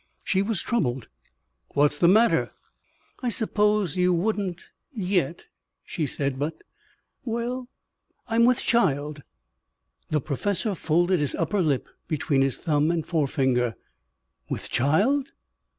She was troubled. "What's the matter?" "I suppose you wouldn't yet," she said. "But well I'm with child." The professor folded his upper lip between his thumb and forefinger. "With child?